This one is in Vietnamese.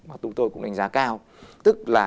mà tụi tôi cũng đánh giá cao tức là